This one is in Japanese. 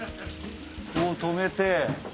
こう止めて。